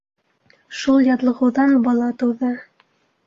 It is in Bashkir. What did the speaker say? Шул яҙлығыуҙан бала тыуҙы.